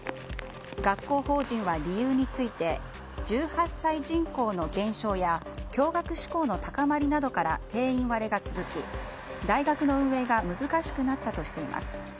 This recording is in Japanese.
学校法人は理由について１８歳人口の減少や共学志向の高まりなどから定員割れが続き、大学の運営が難しくなったとしています。